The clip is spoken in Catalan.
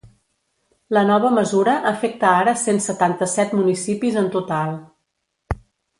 La nova mesura afecta ara cent setanta-set municipis en total.